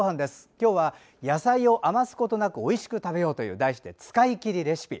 今日は野菜を余すことなくおいしく食べようという題して、使いきりレシピ。